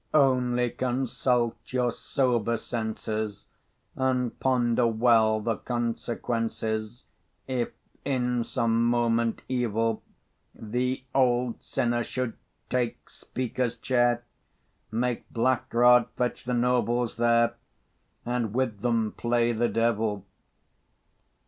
Only consult your sober senses, And ponder well the consequences, If in some moment evil, The old sinner should take Speaker's chair, Make Black Rod fetch the nobles there, And with them play the devil!